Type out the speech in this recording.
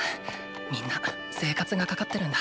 みんな生活がかかってるんだ。